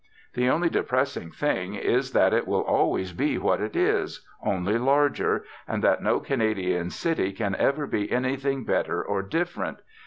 The only depressing thing is that it will always be what it is, only larger, and that no Canadian city can ever be anything better or different.